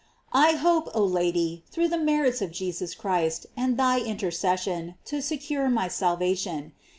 I hope, oh Lady, through the merits of Jesus Christ and thy intercession to secure my salvation.